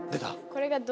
これが「ド」？